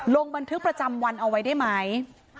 ลงบันทึกประจำวันเอาไว้ได้ไหม